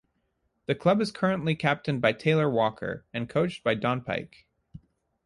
The club is currently captained by Taylor Walker and coached by Don Pyke.